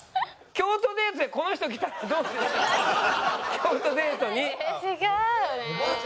京都デートに。